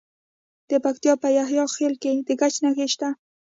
د پکتیکا په یحیی خیل کې د ګچ نښې شته.